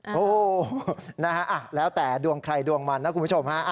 โอ้โหนะฮะแล้วแต่ดวงใครดวงมันนะคุณผู้ชมฮะ